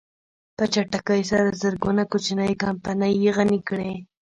په چټکۍ سره زرګونه کوچنۍ کمپنۍ يې غني کړې.